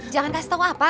jangan kasih tau apa